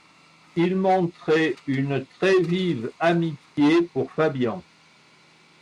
Il montrait une très-vive amitié pour Fabian